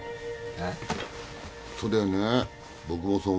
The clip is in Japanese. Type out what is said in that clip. えっ？